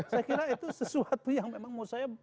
saya kira itu sesuatu yang memang mau saya